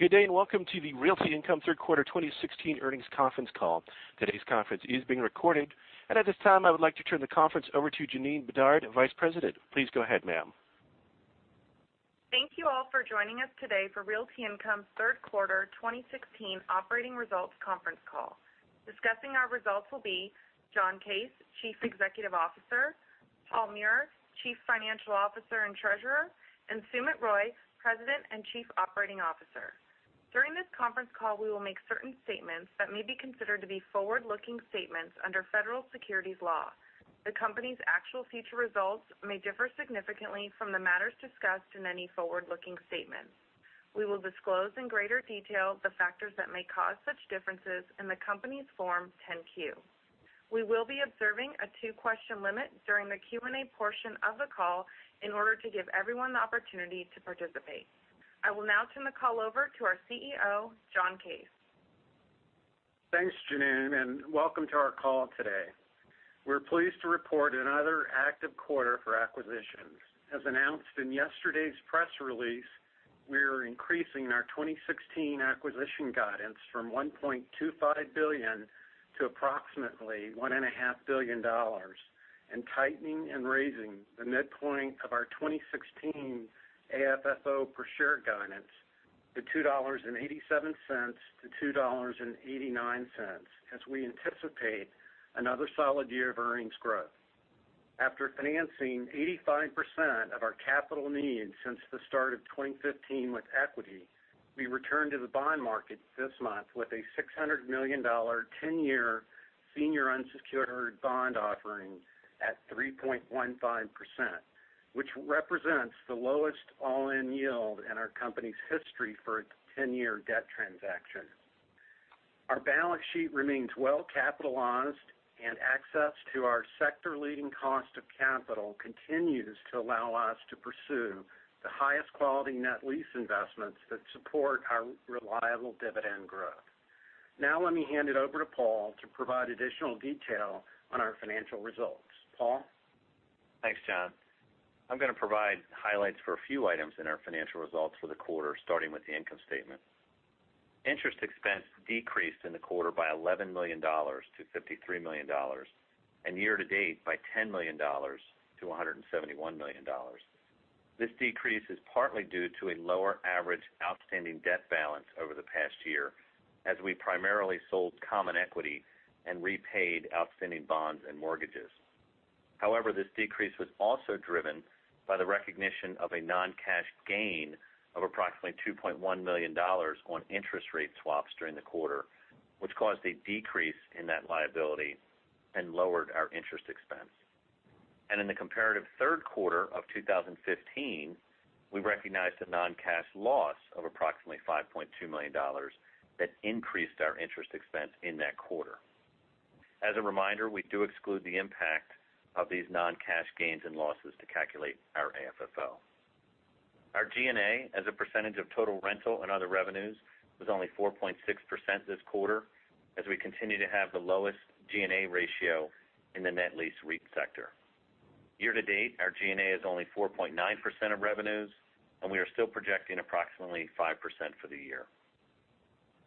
Welcome to the Realty Income third quarter 2016 earnings conference call. Today's conference is being recorded. At this time, I would like to turn the conference over to Janine Bedard, Vice President. Please go ahead, ma'am. Thank you all for joining us today for Realty Income's third quarter 2016 operating results conference call. Discussing our results will be John Case, Chief Executive Officer; Paul Meurer, Chief Financial Officer and Treasurer; and Sumit Roy, President and Chief Operating Officer. During this conference call, we will make certain statements that may be considered to be forward-looking statements under federal securities law. The company's actual future results may differ significantly from the matters discussed in any forward-looking statements. We will disclose in greater detail the factors that may cause such differences in the company's Form 10-Q. We will be observing a two-question limit during the Q&A portion of the call in order to give everyone the opportunity to participate. I will now turn the call over to our CEO, John Case. Thanks, Janine. Welcome to our call today. We're pleased to report another active quarter for acquisitions. As announced in yesterday's press release, we are increasing our 2016 acquisition guidance from $1.25 billion to approximately $1.5 billion and tightening and raising the midpoint of our 2016 AFFO per share guidance to $2.87 to $2.89, as we anticipate another solid year of earnings growth. After financing 85% of our capital needs since the start of 2015 with equity, we returned to the bond market this month with a $600 million 10-year senior unsecured bond offering at 3.15%, which represents the lowest all-in yield in our company's history for a 10-year debt transaction. Our balance sheet remains well-capitalized. Access to our sector-leading cost of capital continues to allow us to pursue the highest quality net lease investments that support our reliable dividend growth. Now let me hand it over to Paul to provide additional detail on our financial results. Paul? Thanks, John. I'm going to provide highlights for a few items in our financial results for the quarter, starting with the income statement. Interest expense decreased in the quarter by $11 million to $53 million, and year-to-date by $10 million to $171 million. This decrease is partly due to a lower average outstanding debt balance over the past year, as we primarily sold common equity and repaid outstanding bonds and mortgages. However, this decrease was also driven by the recognition of a non-cash gain of approximately $2.1 million on interest rate swaps during the quarter, which caused a decrease in that liability and lowered our interest expense. In the comparative third quarter of 2015, we recognized a non-cash loss of approximately $5.2 million that increased our interest expense in that quarter. As a reminder, we do exclude the impact of these non-cash gains and losses to calculate our AFFO. Our G&A as a percentage of total rental and other revenues was only 4.6% this quarter, as we continue to have the lowest G&A ratio in the net lease REIT sector. Year-to-date, our G&A is only 4.9% of revenues, and we are still projecting approximately 5% for the year.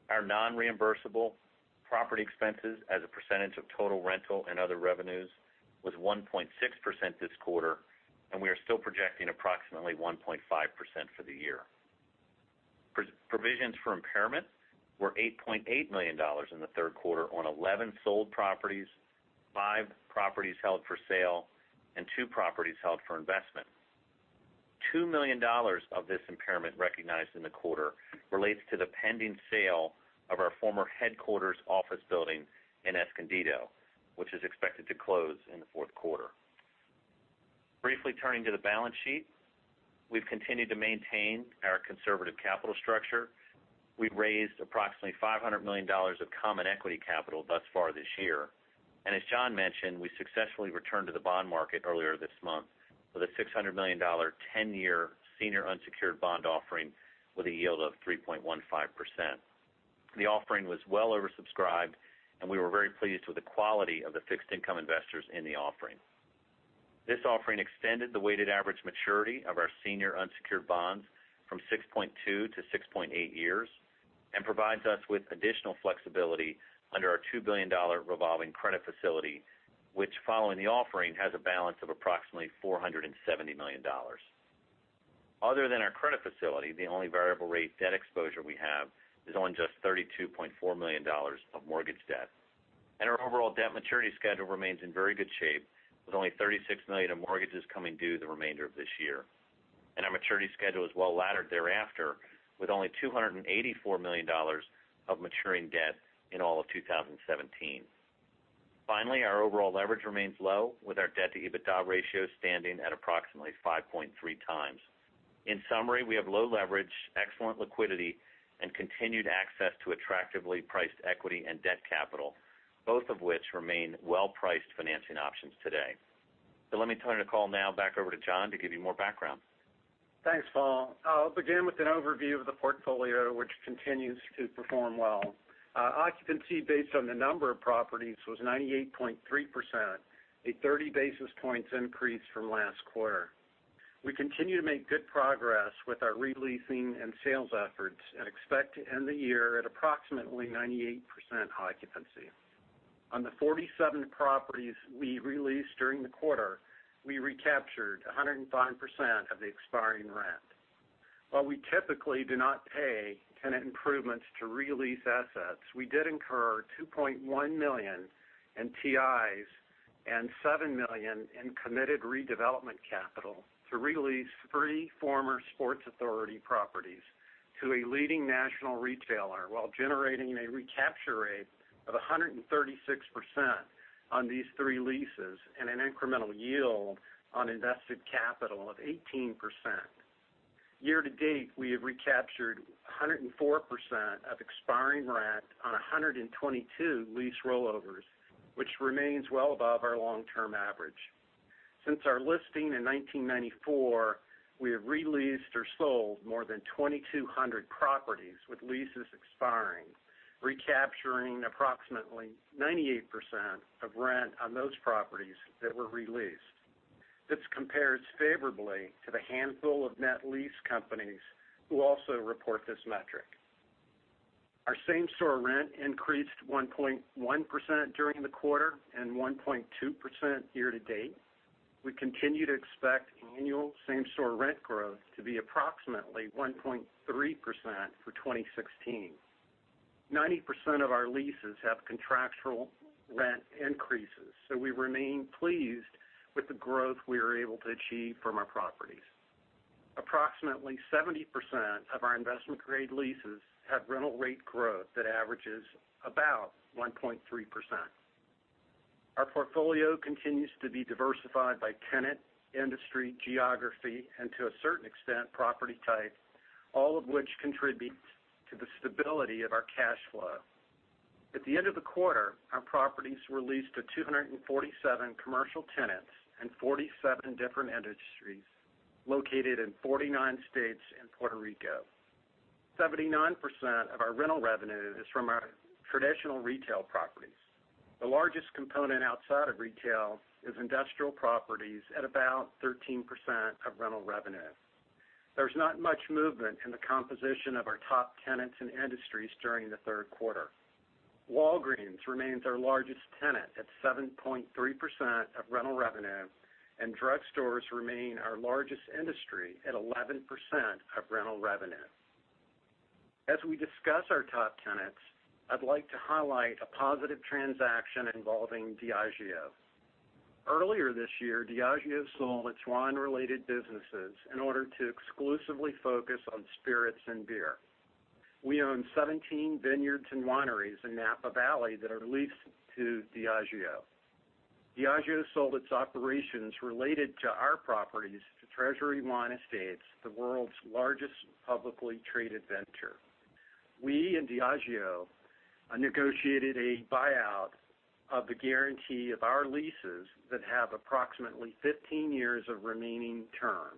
Our non-reimbursable property expenses as a percentage of total rental and other revenues was 1.6% this quarter, and we are still projecting approximately 1.5% for the year. Provisions for impairment were $8.8 million in the third quarter on 11 sold properties, five properties held for sale, and two properties held for investment. $2 million of this impairment recognized in the quarter relates to the pending sale of our former headquarters office building in Escondido, which is expected to close in the fourth quarter. Briefly turning to the balance sheet, we've continued to maintain our conservative capital structure. We've raised approximately $500 million of common equity capital thus far this year. As John mentioned, we successfully returned to the bond market earlier this month with a $600 million 10-year senior unsecured bond offering with a yield of 3.15%. The offering was well oversubscribed, and we were very pleased with the quality of the fixed income investors in the offering. This offering extended the weighted average maturity of our senior unsecured bonds from 6.2 to 6.8 years and provides us with additional flexibility under our $2 billion revolving credit facility, which, following the offering, has a balance of approximately $470 million. Other than our credit facility, the only variable rate debt exposure we have is on just $32.4 million of mortgage debt. Our overall debt maturity schedule remains in very good shape, with only $36 million of mortgages coming due the remainder of this year. Our maturity schedule is well-laddered thereafter, with only $284 million of maturing debt in all of 2017. Finally, our overall leverage remains low, with our debt-to-EBITDA ratio standing at approximately 5.3 times. In summary, we have low leverage, excellent liquidity, and continued access to attractively priced equity and debt capital, both of which remain well-priced financing options today. Let me turn the call now back over to John to give you more background. Thanks, Paul. I'll begin with an overview of the portfolio, which continues to perform well. Our occupancy based on the number of properties was 98.3%, a 30 basis points increase from last quarter. We continue to make good progress with our re-leasing and sales efforts and expect to end the year at approximately 98% occupancy. On the 47 properties we re-leased during the quarter, we recaptured 105% of the expiring rent. While we typically do not pay tenant improvements to re-lease assets, we did incur $2.1 million in TIs and $7 million in committed redevelopment capital to re-lease three former Sports Authority properties to a leading national retailer while generating a recapture rate of 136% on these three leases and an incremental yield on invested capital of 18%. Year-to-date, we have recaptured 104% of expiring rent on 122 lease rollovers, which remains well above our long-term average. Since our listing in 1994, we have re-leased or sold more than 2,200 properties with leases expiring, recapturing approximately 98% of rent on those properties that were re-leased. This compares favorably to the handful of net lease companies who also report this metric. Our same-store rent increased 1.1% during the quarter and 1.2% year-to-date. We continue to expect annual same-store rent growth to be approximately 1.3% for 2016. 90% of our leases have contractual rent increases, so we remain pleased with the growth we are able to achieve from our properties. Approximately 70% of our investment-grade leases have rental rate growth that averages about 1.3%. Our portfolio continues to be diversified by tenant, industry, geography, and to a certain extent, property type, all of which contribute to the stability of our cash flow. At the end of the quarter, our properties were leased to 247 commercial tenants and 47 different industries located in 49 states and Puerto Rico. 79% of our rental revenue is from our traditional retail properties. The largest component outside of retail is industrial properties at about 13% of rental revenue. There's not much movement in the composition of our top tenants and industries during the third quarter. Walgreens remains our largest tenant at 7.3% of rental revenue, and drugstores remain our largest industry at 11% of rental revenue. As we discuss our top tenants, I'd like to highlight a positive transaction involving Diageo. Earlier this year, Diageo sold its wine-related businesses in order to exclusively focus on spirits and beer. We own 17 vineyards and wineries in Napa Valley that are leased to Diageo. Diageo sold its operations related to our properties to Treasury Wine Estates, the world's largest publicly traded vintner. We and Diageo negotiated a buyout of the guarantee of our leases that have approximately 15 years of remaining term.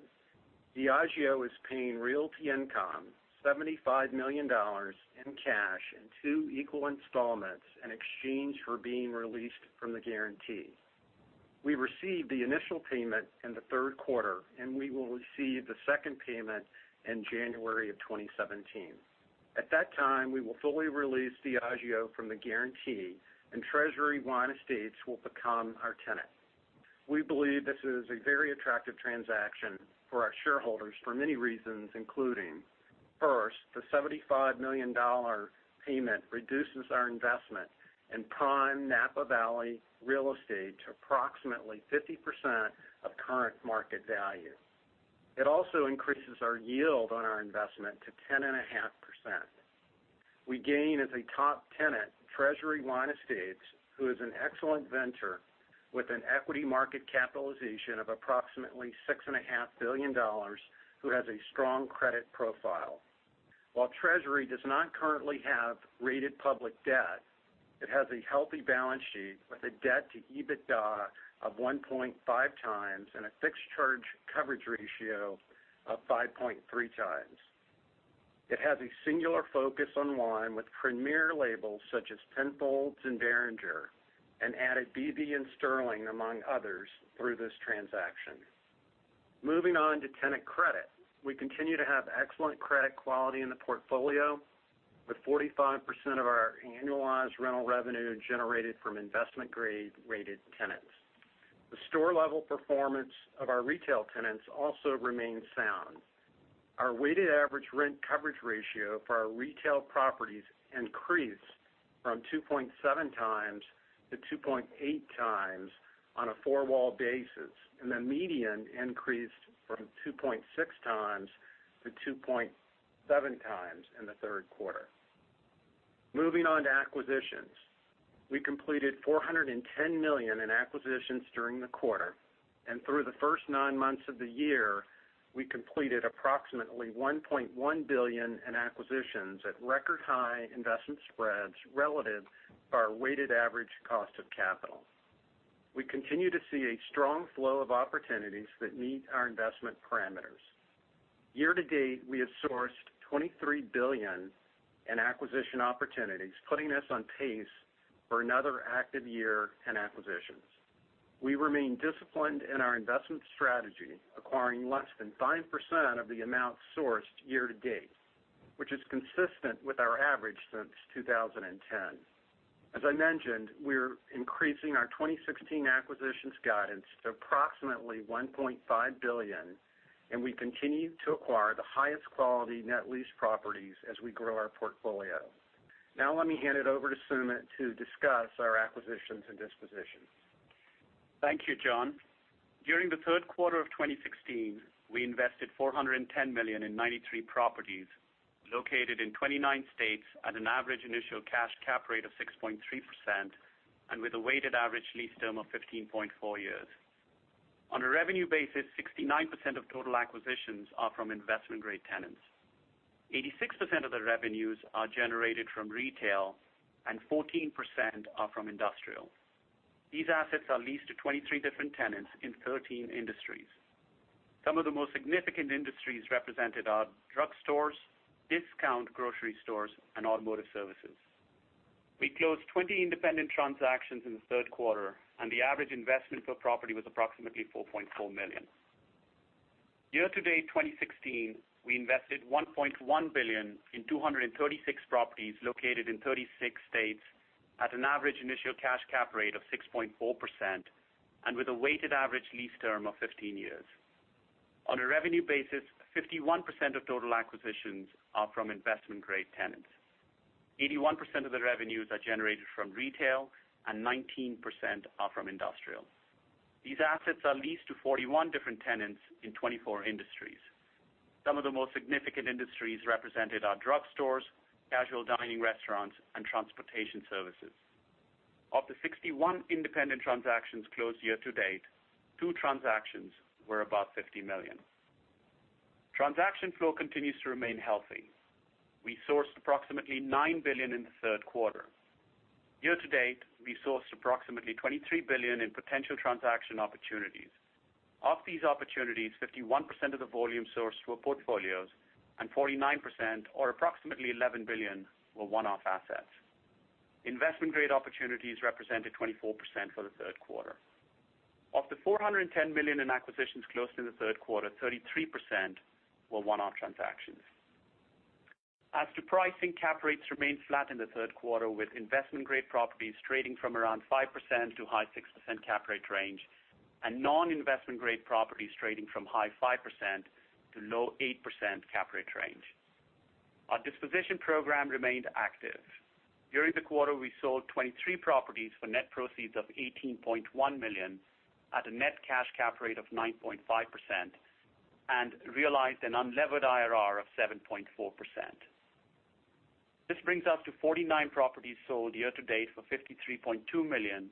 Diageo is paying Realty Income $75 million in cash in two equal installments in exchange for being released from the guarantee. We received the initial payment in the third quarter, and we will receive the second payment in January of 2017. At that time, we will fully release Diageo from the guarantee and Treasury Wine Estates will become our tenant. We believe this is a very attractive transaction for our shareholders for many reasons, including, first, the $75 million payment reduces our investment in prime Napa Valley real estate to approximately 50% of current market value. It also increases our yield on our investment to 10.5%. We gain as a top tenant Treasury Wine Estates, who is an excellent vintner with an equity market capitalization of $6.5 billion who has a strong credit profile. While Treasury does not currently have rated public debt, it has a healthy balance sheet with a debt-to-EBITDA of 1.5 times and a fixed charge coverage ratio of 5.3 times. It has a singular focus on wine with premier labels such as Penfolds and Beringer, and added BV and Sterling, among others, through this transaction. Moving on to tenant credit. We continue to have excellent credit quality in the portfolio with 45% of our annualized rental revenue generated from investment-grade-rated tenants. The store-level performance of our retail tenants also remains sound. Our weighted average rent coverage ratio for our retail properties increased from 2.7 times to 2.8 times on a four-wall basis, and the median increased from 2.6 times to 2.7 times in the third quarter. Moving on to acquisitions. We completed $410 million in acquisitions during the quarter, and through the first nine months of the year, we completed $1.1 billion in acquisitions at record high investment spreads relative to our weighted average cost of capital. We continue to see a strong flow of opportunities that meet our investment parameters. Year-to-date, we have sourced $23 billion in acquisition opportunities, putting us on pace for another active year in acquisitions. We remain disciplined in our investment strategy, acquiring less than 5% of the amount sourced year-to-date, which is consistent with our average since 2010. As I mentioned, we're increasing our 2016 acquisitions guidance to $1.5 billion, and we continue to acquire the highest quality net lease properties as we grow our portfolio. Now let me hand it over to Sumit to discuss our acquisitions and dispositions. Thank you, John. During the third quarter of 2016, we invested $410 million in 93 properties located in 29 states at an average initial cash cap rate of 6.3%, and with a weighted average lease term of 15.4 years. On a revenue basis, 69% of total acquisitions are from investment-grade tenants. 86% of the revenues are generated from retail and 14% are from industrial. These assets are leased to 23 different tenants in 13 industries. Some of the most significant industries represented are drugstores, discount grocery stores, and automotive services. We closed 20 independent transactions in the third quarter, and the average investment per property was $4.4 million. Year-to-date 2016, we invested $1.1 billion in 236 properties located in 36 states at an average initial cash cap rate of 6.4%, and with a weighted average lease term of 15 years. On a revenue basis, 51% of total acquisitions are from investment-grade tenants. 81% of the revenues are generated from retail and 19% are from industrial. These assets are leased to 41 different tenants in 24 industries. Some of the most significant industries represented are drugstores, casual dining restaurants, and transportation services. Of the 61 independent transactions closed year-to-date, two transactions were above $50 million. Transaction flow continues to remain healthy. We sourced approximately $9 billion in the third quarter. Year-to-date, we sourced approximately $23 billion in potential transaction opportunities. Of these opportunities, 51% of the volume sourced were portfolios, and 49%, or approximately $11 billion, were one-off assets. Investment-grade opportunities represented 24% for the third quarter. Of the $410 million in acquisitions closed in the third quarter, 33% were one-off transactions. As to pricing, cap rates remained flat in the third quarter with investment-grade properties trading from around 5%-high 6% cap rate range, and non-investment grade properties trading from high 5%-low 8% cap rate range. Our disposition program remained active. During the quarter, we sold 23 properties for net proceeds of $18.1 million at a net cash cap rate of 9.5% and realized an unlevered IRR of 7.4%. This brings us to 49 properties sold year-to-date for $53.2 million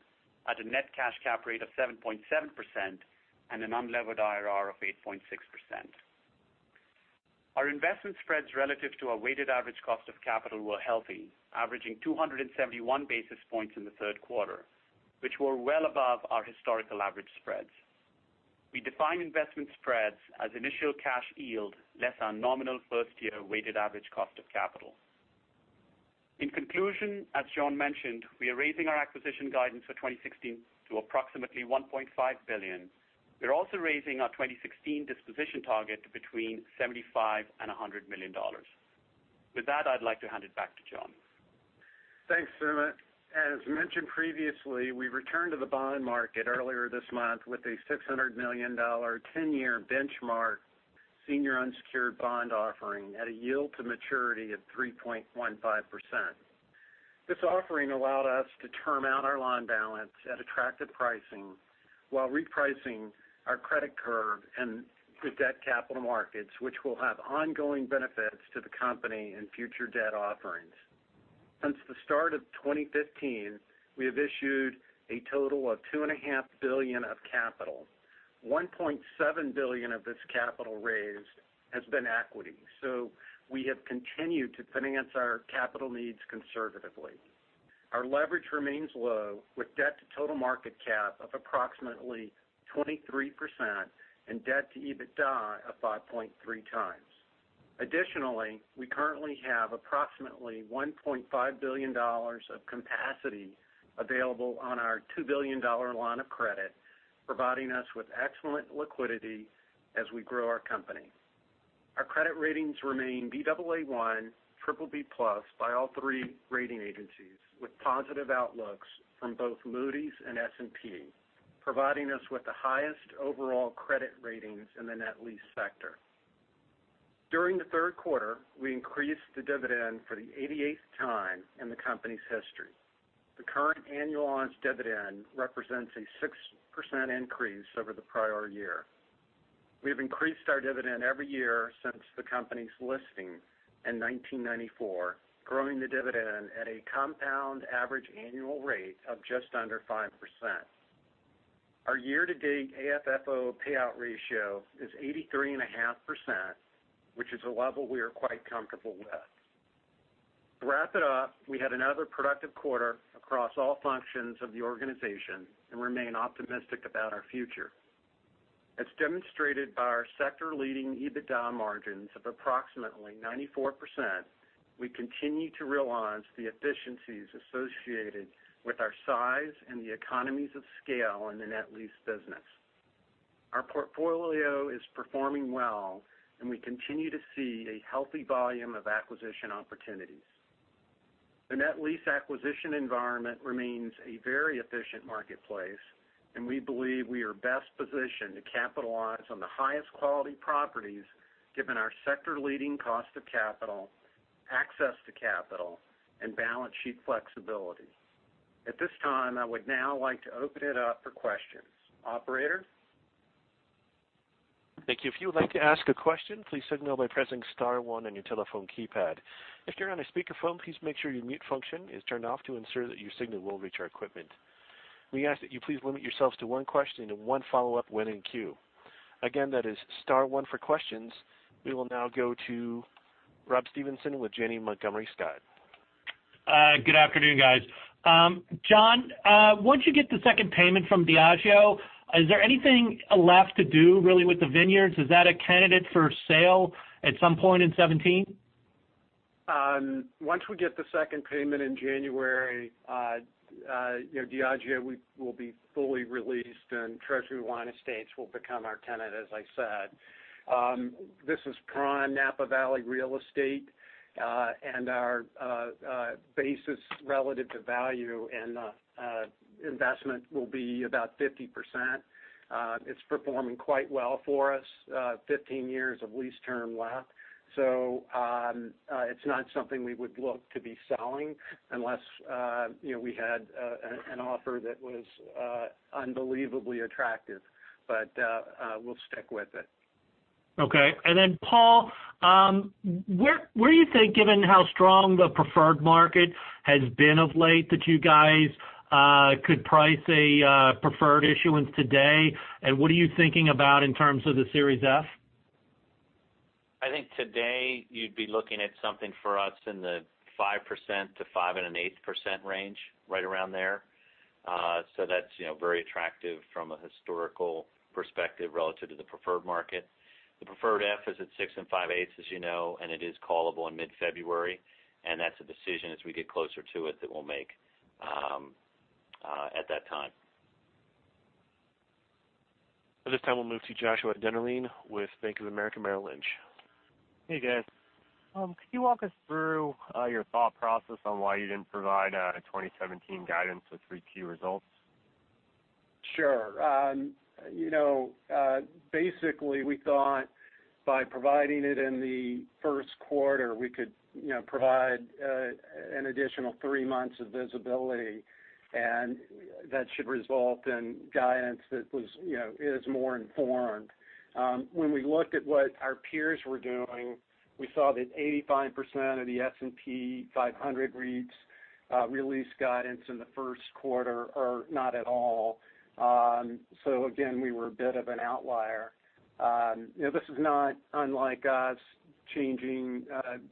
at a net cash cap rate of 7.7% and an unlevered IRR of 8.6%. Our investment spreads relative to our weighted average cost of capital were healthy, averaging 271 basis points in the third quarter, which were well above our historical average spreads. We define investment spreads as initial cash yield less our nominal first-year weighted average cost of capital. In conclusion, as John mentioned, we are raising our acquisition guidance for 2016 to approximately $1.5 billion. We are also raising our 2016 disposition target to between $75 million and $100 million. With that, I'd like to hand it back to John. Thanks, Sumit. As mentioned previously, we returned to the bond market earlier this month with a $600 million 10-year benchmark senior unsecured bond offering at a yield to maturity of 3.15%. This offering allowed us to term out our loan balance at attractive pricing while repricing our credit curve and the debt capital markets, which will have ongoing benefits to the company in future debt offerings. Since the start of 2015, we have issued a total of $2.5 billion of capital. $1.7 billion of this capital raised has been equity. We have continued to finance our capital needs conservatively. Our leverage remains low, with debt to total market cap of approximately 23% and debt to EBITDA of 5.3 times. Additionally, we currently have approximately $1.5 billion of capacity available on our $2 billion line of credit, providing us with excellent liquidity as we grow our company. Our credit ratings remain Baa1, BBB+ by all three rating agencies, with positive outlooks from both Moody's and S&P, providing us with the highest overall credit ratings in the net lease sector. During the third quarter, we increased the dividend for the 88th time in the company's history. The current annualized dividend represents a 6% increase over the prior year. We have increased our dividend every year since the company's listing in 1994, growing the dividend at a compound average annual rate of just under 5%. Our year-to-date AFFO payout ratio is 83.5%, which is a level we are quite comfortable with. To wrap it up, we had another productive quarter across all functions of the organization and remain optimistic about our future. As demonstrated by our sector-leading EBITDA margins of approximately 94%, we continue to realize the efficiencies associated with our size and the economies of scale in the net lease business. Our portfolio is performing well, and we continue to see a healthy volume of acquisition opportunities. The net lease acquisition environment remains a very efficient marketplace, and we believe we are best positioned to capitalize on the highest quality properties, given our sector-leading cost of capital, access to capital, and balance sheet flexibility. At this time, I would now like to open it up for questions. Operator? Thank you. If you would like to ask a question, please signal by pressing star one on your telephone keypad. If you're on a speakerphone, please make sure your mute function is turned off to ensure that your signal will reach our equipment. We ask that you please limit yourselves to one question and one follow-up when in queue. Again, that is star one for questions. We will now go to Rob Stevenson with Janney Montgomery Scott. Good afternoon, guys. John, once you get the second payment from Diageo, is there anything left to do really with the vineyards? Is that a candidate for sale at some point in 2017? Once we get the second payment in January, Diageo will be fully released, and Treasury Wine Estates will become our tenant, as I said. This is prime Napa Valley real estate, and our basis relative to value and investment will be about 50%. It's performing quite well for us, 15 years of lease term left. It's not something we would look to be selling unless we had an offer that was unbelievably attractive. We'll stick with it. Okay. Paul, where do you think, given how strong the preferred market has been of late, that you guys could price a preferred issuance today? What are you thinking about in terms of the Class F? I think today you'd be looking at something for us in the 5% to 5.125% range, right around there. That's very attractive from a historical perspective relative to the preferred market. The preferred F is at 6.625%, as you know, and it is callable in mid-February. That's a decision as we get closer to it that we'll make at that time. At this time, we'll move to Joshua Dennerlein with Bank of America Merrill Lynch. Hey, guys. Could you walk us through your thought process on why you didn't provide a 2017 guidance with 3Q results? Sure. Basically, we thought by providing it in the first quarter, we could provide an additional three months of visibility, and that should result in guidance that is more informed. When we looked at what our peers were doing, we saw that 85% of the S&P 500 REITs release guidance in the first quarter or not at all. Again, we were a bit of an outlier. This is not unlike us changing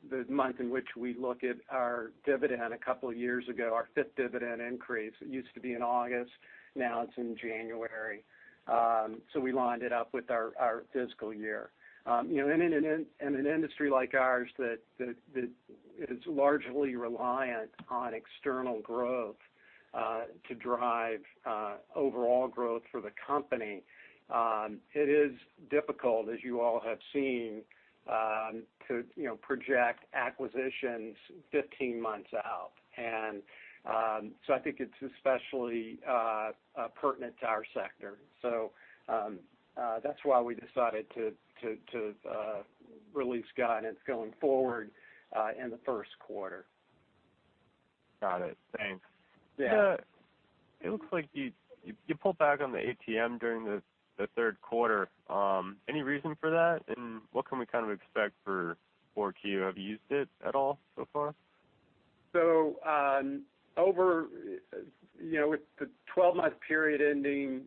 the month in which we look at our dividend a couple of years ago, our fifth dividend increase. It used to be in August. Now it's in January. We lined it up with our fiscal year. In an industry like ours that is largely reliant on external growth to drive overall growth for the company, it is difficult, as you all have seen, to project acquisitions 15 months out. I think it's especially pertinent to our sector. That's why we decided to release guidance going forward in the first quarter. Got it. Thanks. Yeah. It looks like you pulled back on the ATM during the third quarter. Any reason for that? What can we kind of expect for 4Q? Have you used it at all so far? With the 12-month period ending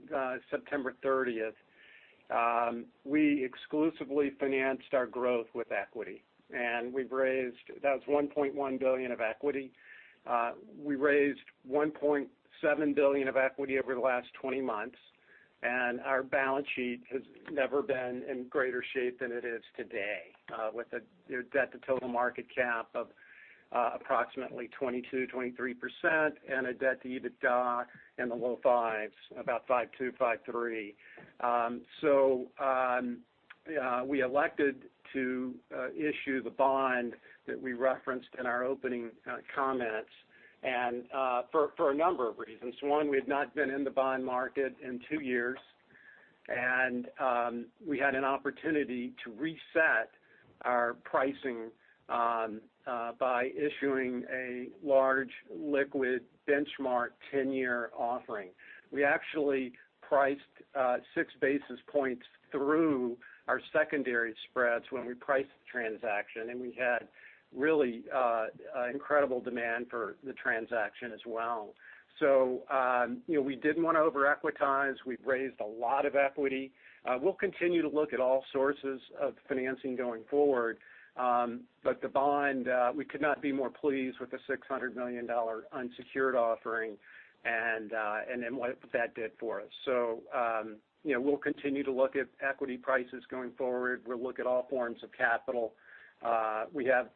September 30th, we exclusively financed our growth with equity, and that was $1.1 billion of equity. We raised $1.7 billion of equity over the last 20 months, and our balance sheet has never been in greater shape than it is today, with a debt to total market cap of approximately 22%, 23%, and a debt to EBITDA in the low fives, about 5.2, 5.3. We elected to issue the bond that we referenced in our opening comments, and for a number of reasons. One, we had not been in the bond market in two years, and we had an opportunity to reset our pricing by issuing a large liquid benchmark 10-year offering. We actually priced six basis points through our secondary spreads when we priced the transaction, and we had really incredible demand for the transaction as well. We didn't want to over-equitize. We've raised a lot of equity. We'll continue to look at all sources of financing going forward. The bond, we could not be more pleased with the $600 million unsecured offering and then what that did for us. We'll continue to look at equity prices going forward. We'll look at all forms of capital. We have,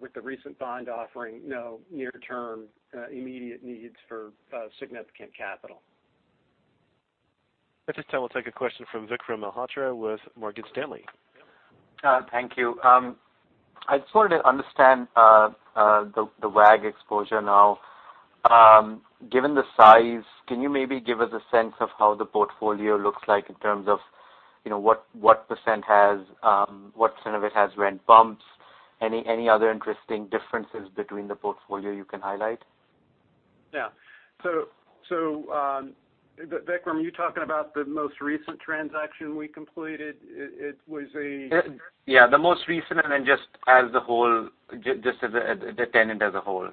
with the recent bond offering, no near-term immediate needs for significant capital. At this time, we'll take a question from Vikram Malhotra with Morgan Stanley. Thank you. I just wanted to understand the WAG exposure now. Given the size, can you maybe give us a sense of how the portfolio looks like in terms of what % of it has rent bumps? Any other interesting differences between the portfolio you can highlight? Yeah. Vikram, are you talking about the most recent transaction we completed? Yeah, the most recent, just the tenant as a whole.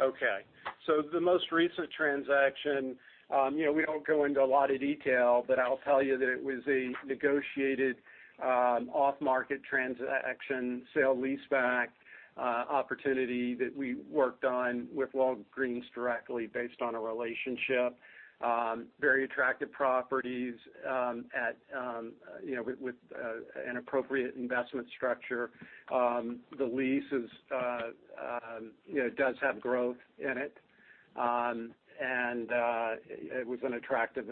Okay. The most recent transaction, we don't go into a lot of detail, but I'll tell you that it was a negotiated off-market transaction, sale leaseback opportunity that we worked on with Walgreens directly based on a relationship. Very attractive properties with an appropriate investment structure. The lease does have growth in it. It was an attractive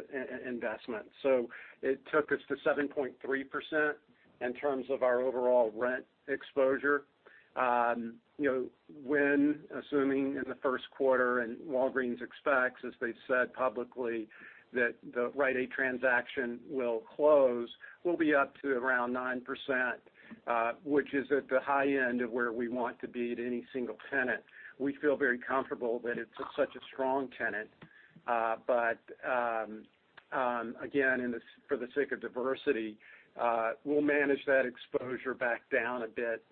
investment. It took us to 7.3% in terms of our overall rent exposure. When assuming in the first quarter, Walgreens expects, as they've said publicly, that the Rite Aid transaction will close, we'll be up to around 9%, which is at the high end of where we want to be at any single tenant. We feel very comfortable that it's such a strong tenant. Again, for the sake of diversity, we'll manage that exposure back down a bit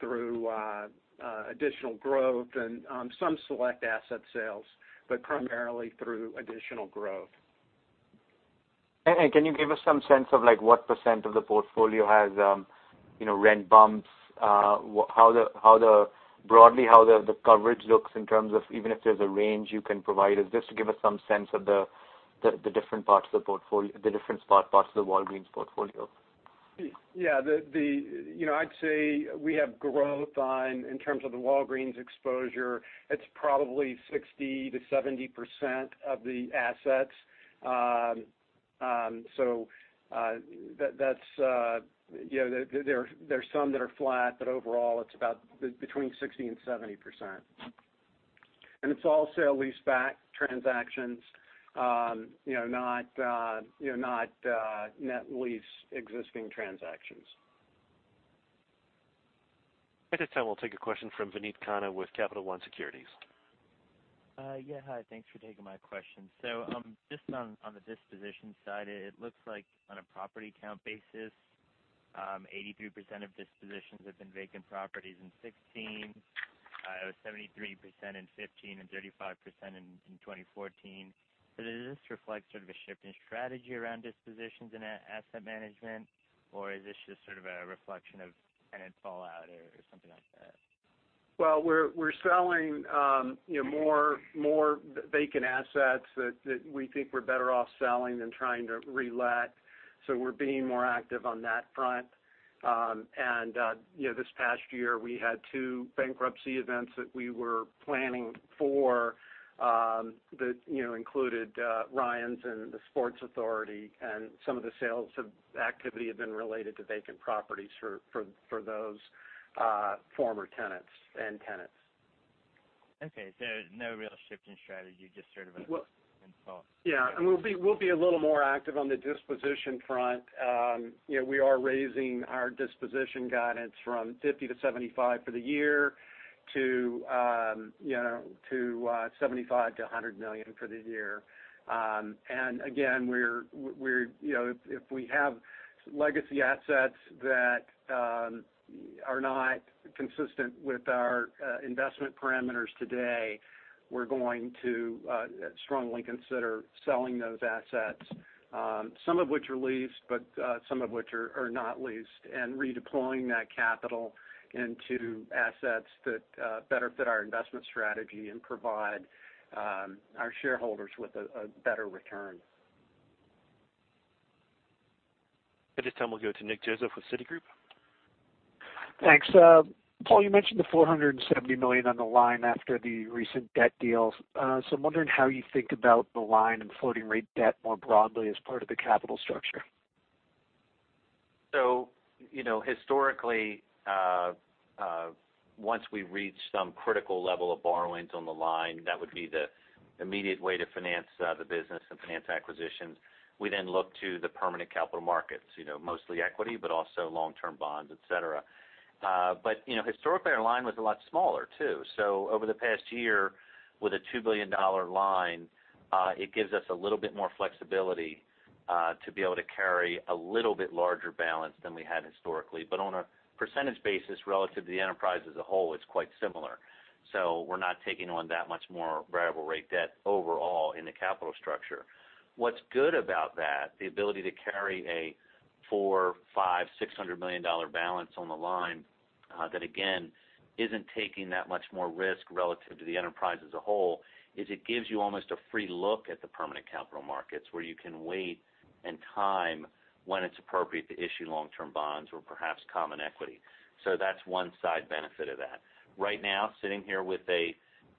through additional growth and some select asset sales, but primarily through additional growth. Can you give us some sense of what percent of the portfolio has rent bumps, broadly how the coverage looks in terms of even if there's a range you can provide us, just to give us some sense of the different parts of the Walgreens portfolio? I'd say we have growth in terms of the Walgreens exposure. It's probably 60%-70% of the assets. There's some that are flat, but overall, it's about between 60% and 70%. It's all sale leaseback transactions, not net lease existing transactions. At this time, we'll take a question from Vineet Khanna with Capital One Securities. Yeah, hi. Thanks for taking my question. Just on the disposition side, it looks like on a property count basis 83% of dispositions have been vacant properties in 2016. It was 73% in 2015 and 35% in 2014. Does this reflect sort of a shift in strategy around dispositions in asset management, or is this just sort of a reflection of tenant fallout or something like that? Well, we're selling more vacant assets that we think we're better off selling than trying to re-let. We're being more active on that front. This past year, we had two bankruptcy events that we were planning for, that included Ryan's and the Sports Authority, and some of the sales activity have been related to vacant properties for those former tenants and tenants. Okay. No real shift in strategy, just sort of an impulse. Yeah. We'll be a little more active on the disposition front. We are raising our disposition guidance from $50 million to $75 million for the year to $75 million to $100 million for the year. Again, if we have legacy assets that are not consistent with our investment parameters today, we're going to strongly consider selling those assets. Some of which are leased, but some of which are not leased, and redeploying that capital into assets that better fit our investment strategy and provide our shareholders with a better return. At this time, we'll go to Nick Joseph with Citigroup. Thanks. Paul, you mentioned the $470 million on the line after the recent debt deals. I'm wondering how you think about the line and floating rate debt more broadly as part of the capital structure. Historically, once we reach some critical level of borrowings on the line, that would be the immediate way to finance the business and finance acquisitions. We look to the permanent capital markets, mostly equity, but also long-term bonds, et cetera. Historically, our line was a lot smaller, too. Over the past year, with a $2 billion line, it gives us a little bit more flexibility to be able to carry a little bit larger balance than we had historically. On a percentage basis, relative to the enterprise as a whole, it's quite similar. We're not taking on that much more variable rate debt overall in the capital structure. What's good about that, the ability to carry a $400 million, $500 million, $600 million balance on the line, that again, isn't taking that much more risk relative to the enterprise as a whole, is it gives you almost a free look at the permanent capital markets where you can time when it's appropriate to issue long-term bonds or perhaps common equity. That's one side benefit of that. Right now, sitting here with a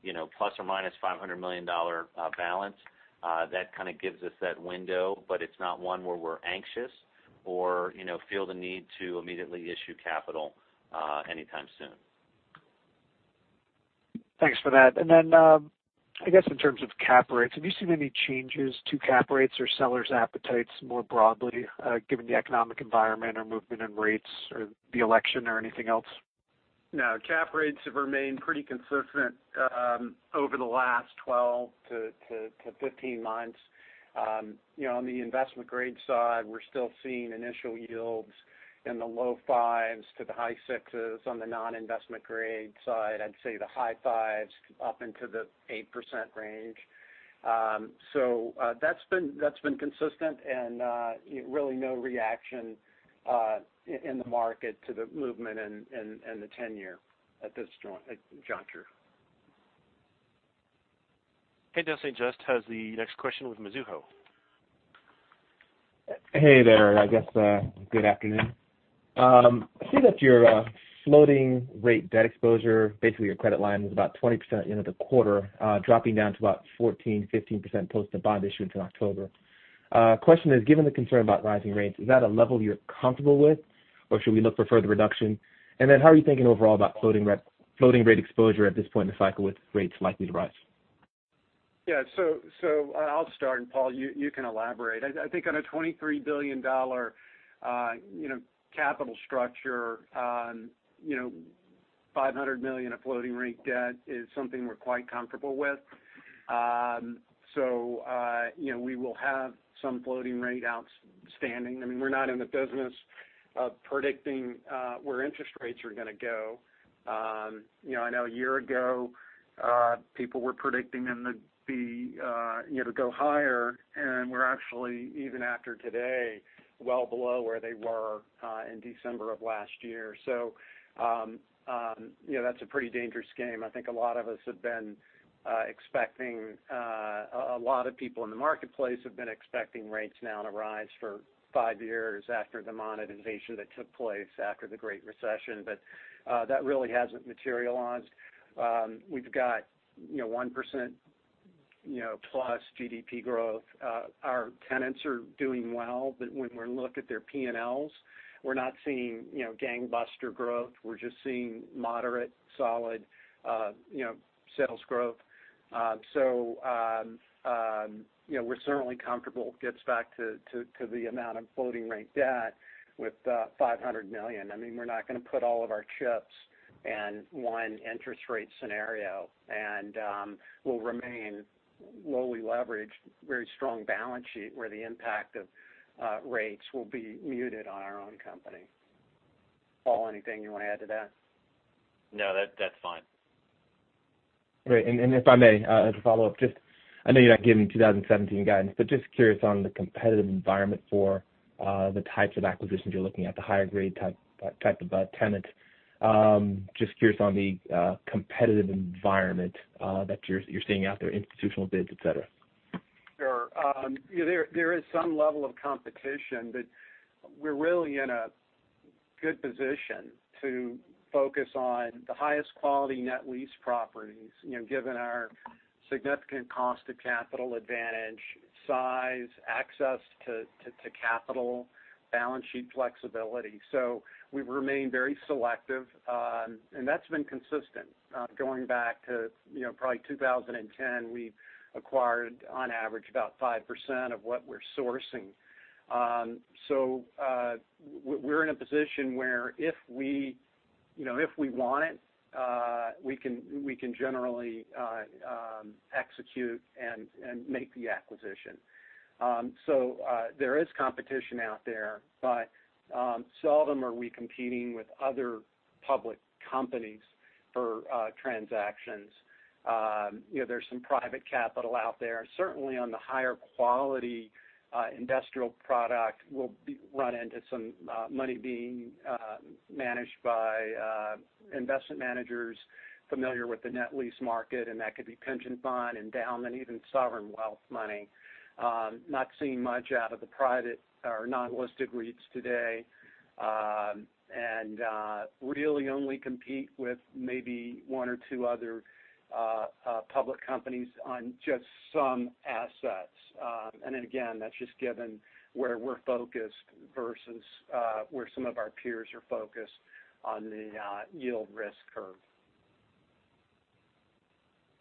±$500 million balance, that kind of gives us that window, it's not one where we're anxious or feel the need to immediately issue capital anytime soon. Thanks for that. I guess in terms of cap rates, have you seen any changes to cap rates or sellers' appetites more broadly, given the economic environment or movement in rates or the election or anything else? No. Cap rates have remained pretty consistent over the last 12 to 15 months. On the investment-grade side, we're still seeing initial yields in the low fives to the high sixes. On the non-investment grade side, I'd say the high fives up into the 8% range. That's been consistent and really no reaction in the market to the movement in the 10-year at this juncture. Haendel St. Juste the next question with Mizuho. Hey there. I guess, good afternoon. I see that your floating rate debt exposure, basically your credit line, was about 20% at the end of the quarter, dropping down to about 14%, 15% post the bond issuance in October. Question is, given the concern about rising rates, is that a level you're comfortable with, or should we look for further reduction? How are you thinking overall about floating rate exposure at this point in the cycle with rates likely to rise? I'll start, and Paul, you can elaborate. I think on a $23 billion capital structure, $500 million of floating rate debt is something we're quite comfortable with. We will have some floating rate outstanding. We're not in the business of predicting where interest rates are going to go. I know a year ago, people were predicting them to go higher, and we're actually, even after today, well below where they were in December of last year. That's a pretty dangerous game. I think a lot of us have been expecting, a lot of people in the marketplace have been expecting rates now to rise for five years after the monetization that took place after the Great Recession. That really hasn't materialized. We've got 1% plus GDP growth. Our tenants are doing well, but when we look at their P&Ls, we're not seeing gangbuster growth. We're just seeing moderate, solid sales growth. We're certainly comfortable. Gets back to the amount of floating rate debt with $500 million. We're not going to put all of our chips in one interest rate scenario. We'll remain lowly leveraged, very strong balance sheet, where the impact of rates will be muted on our own company. Paul, anything you want to add to that? No, that's fine. Great. If I may, as a follow-up, just, I know you're not giving 2017 guidance, but just curious on the competitive environment for the types of acquisitions you're looking at, the higher-grade type of tenant. Just curious on the competitive environment that you're seeing out there, institutional bids, et cetera. Sure. There is some level of competition, but we're really in a good position to focus on the highest quality net lease properties, given our significant cost of capital advantage, size, access to capital, balance sheet flexibility. We've remained very selective. That's been consistent. Going back to probably 2010, we've acquired, on average, about 5% of what we're sourcing. We're in a position where if we want it, we can generally execute and make the acquisition. There is competition out there, but seldom are we competing with other public companies for transactions. There's some private capital out there. Certainly, on the higher quality industrial product, we'll run into some money being managed by investment managers familiar with the net lease market, and that could be pension fund, endowment, even sovereign wealth money. Not seeing much out of the private or non-listed REITs today. Really only compete with maybe one or two other public companies on just some assets. Again, that's just given where we're focused versus where some of our peers are focused on the yield risk curve.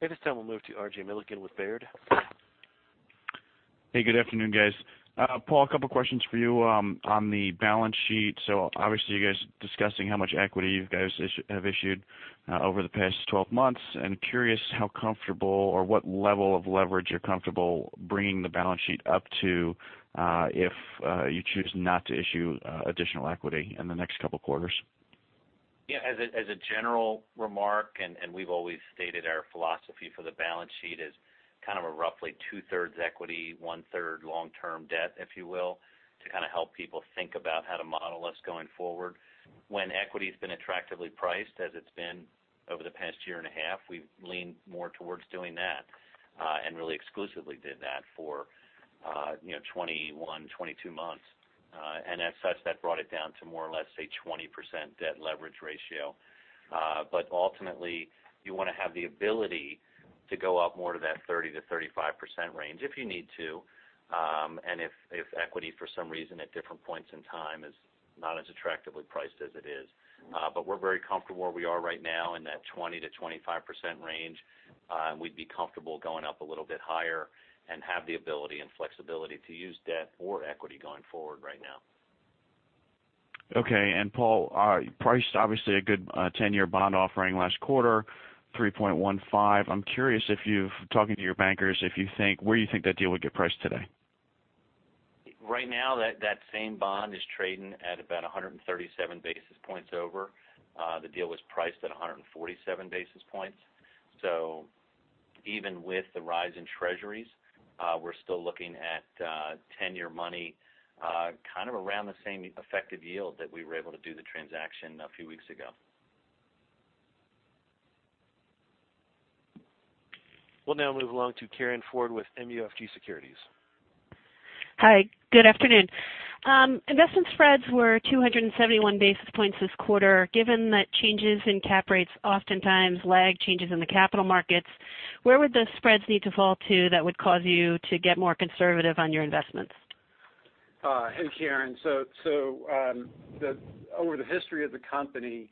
At this time, we'll move to R.J. Milligan with Baird. Hey, good afternoon, guys. Paul, a couple of questions for you. On the balance sheet, obviously, you guys discussing how much equity you guys have issued over the past 12 months. I'm curious how comfortable or what level of leverage you're comfortable bringing the balance sheet up to, if you choose not to issue additional equity in the next couple of quarters. Yeah. As a general remark, we've always stated our philosophy for the balance sheet is kind of a roughly two-thirds equity, one-third long-term debt, if you will. To kind of help people think about how to model us going forward. When equity's been attractively priced, as it's been over the past year and a half, we've leaned more towards doing that, and really exclusively did that for 21, 22 months. As such, that brought it down to more or less, say, 20% debt leverage ratio. Ultimately, you want to have the ability to go up more to that 30%-35% range if you need to, if equity, for some reason, at different points in time, is not as attractively priced as it is. We're very comfortable where we are right now in that 20%-25% range. We'd be comfortable going up a little bit higher and have the ability and flexibility to use debt or equity going forward right now. Okay. Paul, priced obviously a good 10-year bond offering last quarter, 3.15%. I'm curious if you've, talking to your bankers, where you think that deal would get priced today? Right now, that same bond is trading at about 137 basis points over. The deal was priced at 147 basis points. Even with the rise in treasuries, we're still looking at 10-year money, kind of around the same effective yield that we were able to do the transaction a few weeks ago. We'll now move along to Karin Ford with MUFG Securities. Hi, good afternoon. Investment spreads were 271 basis points this quarter. Given that changes in cap rates oftentimes lag changes in the capital markets, where would the spreads need to fall to that would cause you to get more conservative on your investments? Hey, Karin. Over the history of the company,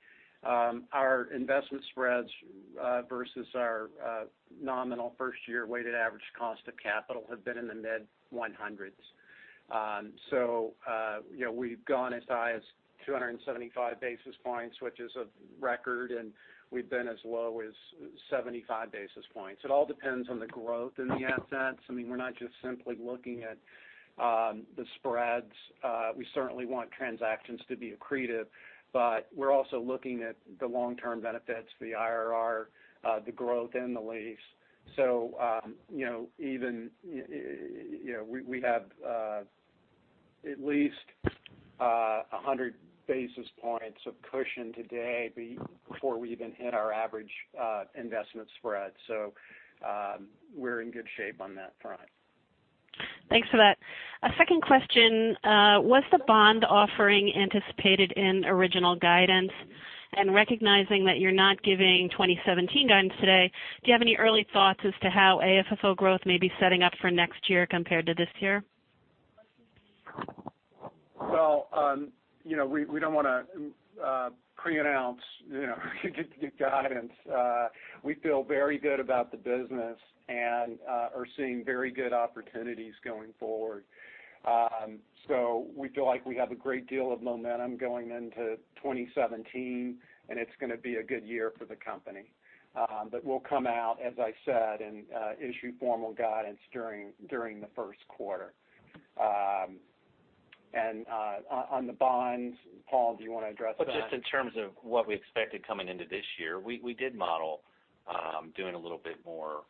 our investment spreads versus our nominal first-year weighted average cost of capital have been in the mid 100s. We've gone as high as 275 basis points, which is a record, and we've been as low as 75 basis points. It all depends on the growth in the assets. I mean, we're not just simply looking at the spreads. We certainly want transactions to be accretive, but we're also looking at the long-term benefits, the IRR, the growth in the lease. We have at least 100 basis points of cushion today before we even hit our average investment spread. We're in good shape on that front. Thanks for that. A second question. Was the bond offering anticipated in original guidance? Recognizing that you're not giving 2017 guidance today, do you have any early thoughts as to how AFFO growth may be setting up for next year compared to this year? We don't want to pre-announce guidance. We feel very good about the business and are seeing very good opportunities going forward. We feel like we have a great deal of momentum going into 2017, and it's going to be a good year for the company. We'll come out, as I said, and issue formal guidance during the first quarter. On the bonds, Paul, do you want to address that? Just in terms of what we expected coming into this year, we did model doing a little bit more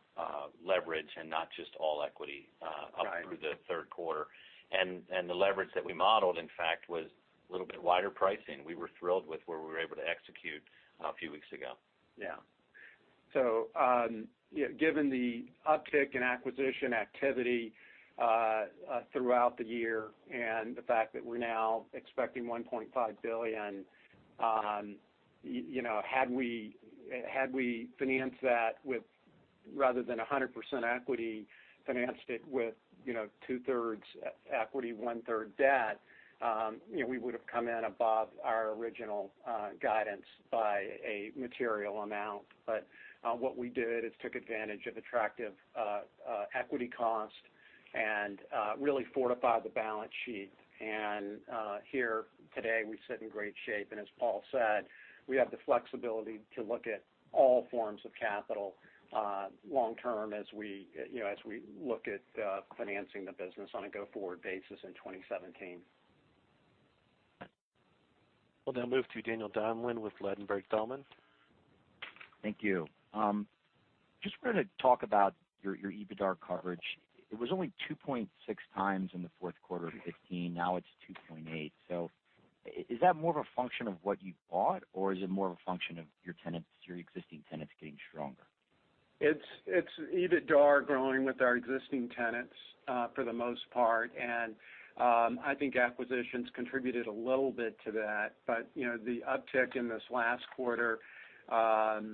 leverage and not just all equity up through the third quarter. The leverage that we modeled, in fact, was a little bit wider pricing. We were thrilled with where we were able to execute a few weeks ago. Yeah. Given the uptick in acquisition activity throughout the year and the fact that we're now expecting $1.5 billion, had we financed that with, rather than 100% equity, financed it with two-thirds equity, one-third debt, we would've come in above our original guidance by a material amount. What we did is took advantage of attractive equity cost and really fortified the balance sheet. Here today, we sit in great shape. As Paul said, we have the flexibility to look at all forms of capital long-term as we look at financing the business on a go-forward basis in 2017. We'll now move to Daniel Donlan with Ladenburg Thalmann. Thank you. Just wanted to talk about your EBITDAR coverage. It was only 2.6 times in the fourth quarter of 2015. Now it's 2.8. Is that more of a function of what you bought, or is it more of a function of your existing tenants getting stronger? It's EBITDAR growing with our existing tenants, for the most part. I think acquisitions contributed a little bit to that. The uptick in this last quarter, a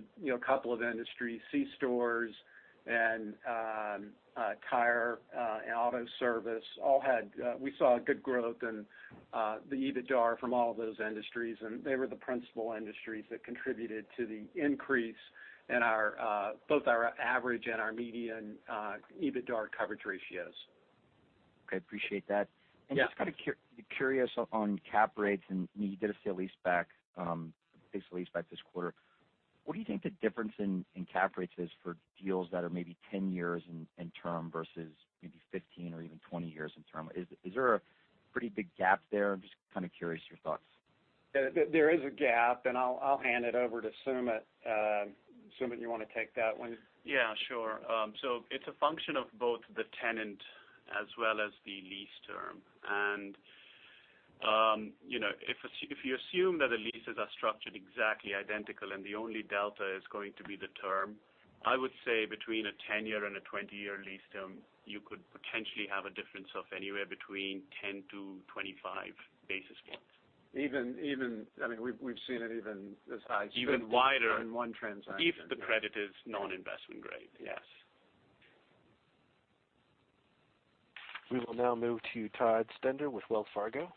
couple of industries, C-stores, and tire and auto service, we saw a good growth in the EBITDAR from all of those industries, and they were the principal industries that contributed to the increase in both our average and our median EBITDAR coverage ratios. Okay, appreciate that. Yeah. Just kind of curious on cap rates, and you did a sale leaseback this quarter. What do you think the difference in cap rates is for deals that are maybe 10 years in term versus maybe 15 or even 20 years in term? Is there a pretty big gap there? I'm just kind of curious your thoughts. There is a gap. I'll hand it over to Sumit. Sumit, you want to take that one? Yeah, sure. It's a function of both the tenant as well as the lease term. If you assume that the leases are structured exactly identical and the only delta is going to be the term, I would say between a 10-year and a 20-year lease term, you could potentially have a difference of anywhere between 10-25 basis points. We've seen it even as high as that. It's even wider. In one transaction if the credit is non-investment grade. Yes. We will now move to Todd Stender with Wells Fargo.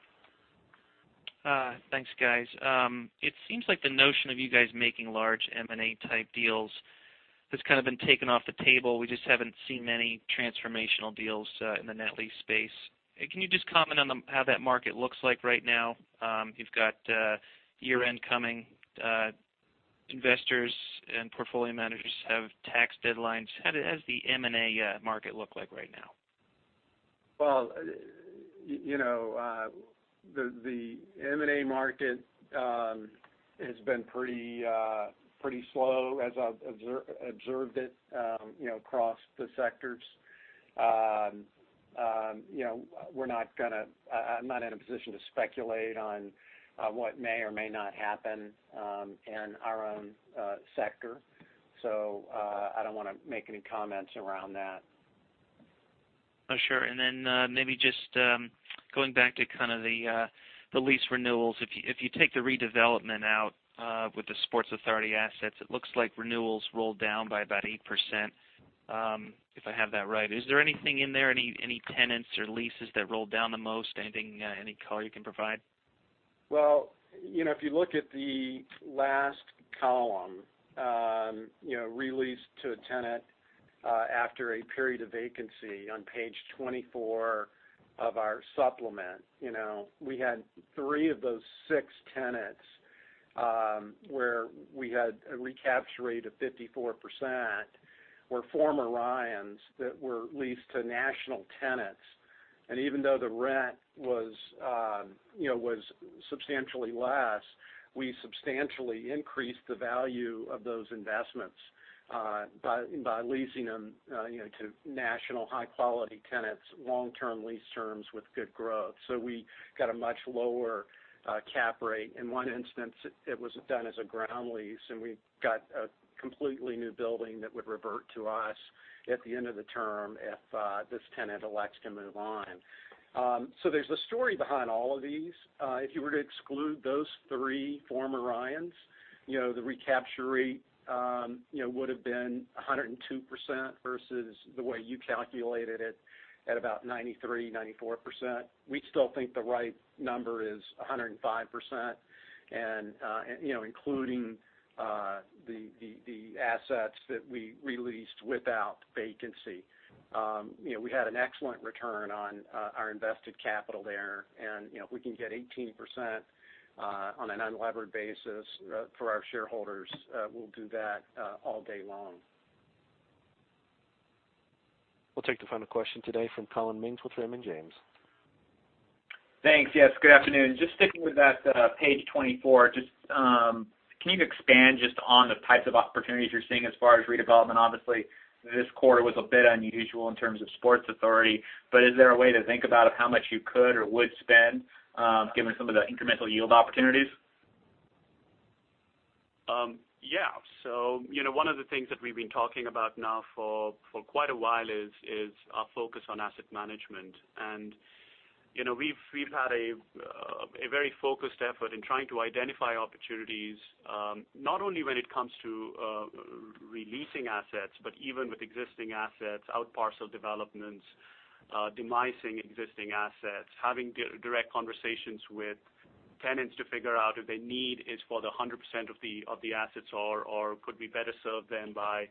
Thanks, guys. It seems like the notion of you guys making large M&A type deals has kind of been taken off the table. We just haven't seen many transformational deals in the net lease space. Can you just comment on how that market looks like right now? You've got year-end coming. Investors and portfolio managers have tax deadlines. How does the M&A market look like right now? Well, the M&A market has been pretty slow as I've observed it across the sectors. I'm not in a position to speculate on what may or may not happen in our own sector. I don't want to make any comments around that. Oh, sure. Then maybe just going back to kind of the lease renewals. If you take the redevelopment out with the Sports Authority assets, it looks like renewals rolled down by about 8%, if I have that right. Is there anything in there, any tenants or leases that rolled down the most? Any color you can provide? Well, if you look at the last column, re-lease to a tenant after a period of vacancy on page 24 of our supplement. We had three of those six tenants, where we had a recapture rate of 54%, were former Ryan's that were leased to national tenants. Even though the rent was substantially less, we substantially increased the value of those investments by leasing them to national high-quality tenants, long-term lease terms with good growth. We got a much lower cap rate. In one instance, it was done as a ground lease, and we got a completely new building that would revert to us at the end of the term if this tenant elects to move on. There's a story behind all of these. If you were to exclude those three former Ryan's, the recapture rate would've been 102% versus the way you calculated it at about 93%, 94%. We still think the right number is 105%. Including the assets that we re-leased without vacancy. We had an excellent return on our invested capital there. If we can get 18% on an unlevered basis for our shareholders, we'll do that all day long. We'll take the final question today from Collin Mings with Raymond James. Thanks. Yes, good afternoon. Just sticking with that page 24, can you expand just on the types of opportunities you're seeing as far as redevelopment? Obviously, this quarter was a bit unusual in terms of Sports Authority, but is there a way to think about how much you could or would spend, given some of the incremental yield opportunities? One of the things that we've been talking about now for quite a while is our focus on asset management. We've had a very focused effort in trying to identify opportunities, not only when it comes to re-leasing assets, but even with existing assets, out parcel developments, demising existing assets, having direct conversations with tenants to figure out if their need is for the 100% of the assets or could be better served than by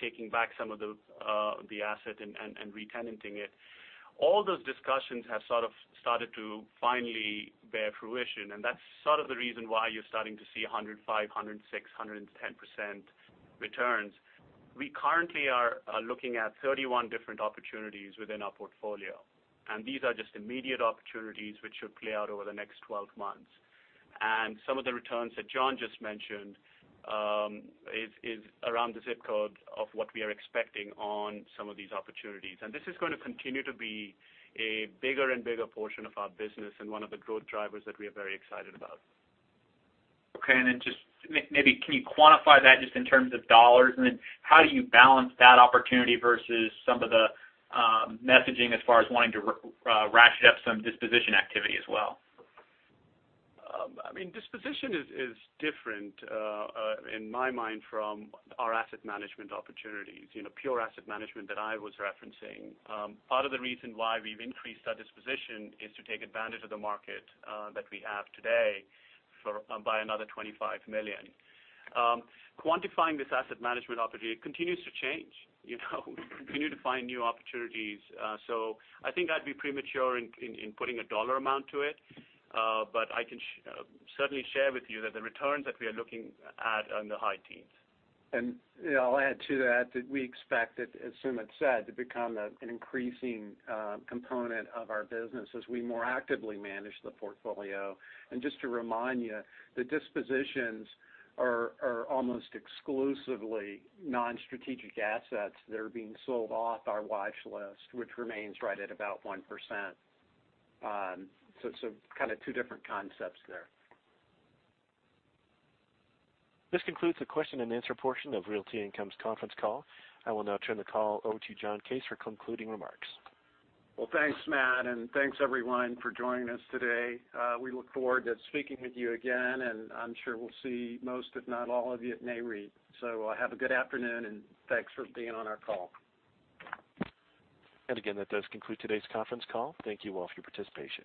taking back some of the asset and re-tenanting it. All those discussions have sort of started to finally bear fruition, and that's sort of the reason why you're starting to see 105%, 106%, 110% returns. We currently are looking at 31 different opportunities within our portfolio, and these are just immediate opportunities which should play out over the next 12 months. Some of the returns that John just mentioned is around the zip code of what we are expecting on some of these opportunities. This is going to continue to be a bigger and bigger portion of our business and one of the growth drivers that we are very excited about. Okay. Just maybe can you quantify that just in terms of dollars? How do you balance that opportunity versus some of the messaging as far as wanting to ratchet up some disposition activity as well? Disposition is different, in my mind, from our asset management opportunities. Pure asset management that I was referencing. Part of the reason why we've increased our disposition is to take advantage of the market that we have today by another $25 million. Quantifying this asset management opportunity, it continues to change. We continue to find new opportunities. I think I'd be premature in putting a dollar amount to it. I can certainly share with you that the returns that we are looking at are in the high teens. I'll add to that we expect it, as Sumit said, to become an increasing component of our business as we more actively manage the portfolio. Just to remind you, the dispositions are almost exclusively non-strategic assets that are being sold off our watch list, which remains right at about 1%. It's kind of two different concepts there. This concludes the question and answer portion of Realty Income's conference call. I will now turn the call over to John Case for concluding remarks. Well, thanks, Matt, and thanks, everyone, for joining us today. We look forward to speaking with you again, and I'm sure we'll see most, if not all of you at NAREIT. Have a good afternoon, and thanks for being on our call. Again, that does conclude today's conference call. Thank you all for your participation.